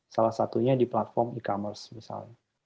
salah satunya di platform e commerce misalnya